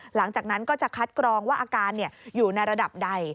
หลังจากนั้นก็จะคัดกรองว่าอาการอยู่ในระดับใด